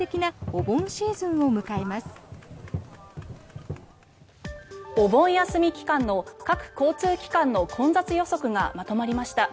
お盆休み期間の各交通機関の混雑予測がまとまりました。